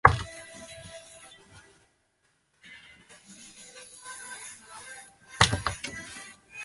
目前美国华商总会属下有超过一百多个团体。